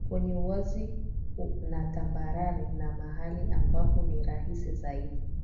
kwenye uwazi na tambarare na mahali ambapo ni rahisi zaidi